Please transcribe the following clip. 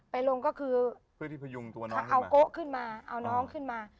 ไปลงก็คือเอาโกะขึ้นมาเอาน้องขึ้นมา